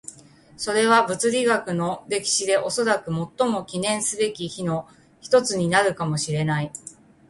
それは物理学の歴史でおそらく最も記念すべき日の一つになるかもしれない。